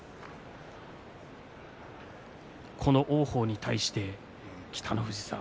この王鵬に対して北の富士さん